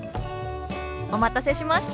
お待たせしました。